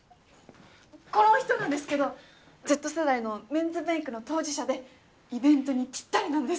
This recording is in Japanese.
この人なんですけどＺ世代のメンズメイクの当事者でイベントにぴったりなんです。